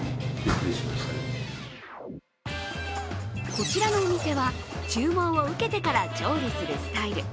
こちらのお店は、注文を受けてから調理するスタイル。